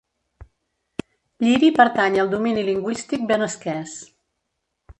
Lliri pertany al domini lingüístic benasquès.